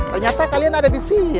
ternyata kalian ada di sini